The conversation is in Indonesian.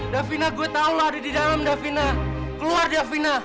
davina gue tahu ada di dalam davina keluar davina